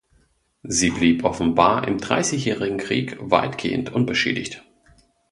Sie blieb offenbar im Dreißigjährigen Krieg weitgehend unbeschädigt.